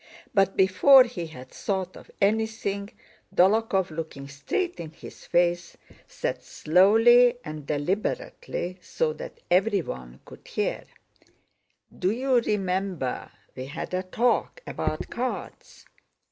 But before he had thought of anything, Dólokhov, looking straight in his face, said slowly and deliberately so that everyone could hear: "Do you remember we had a talk about cards...